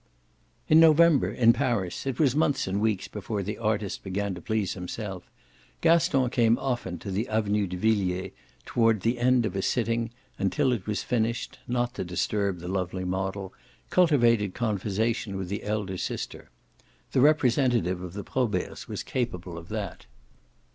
In November, in Paris it was months and weeks before the artist began to please himself Gaston came often to the Avenue de Villiers toward the end of a sitting and, till it was finished, not to disturb the lovely model, cultivated conversation with the elder sister: the representative of the Proberts was capable of that.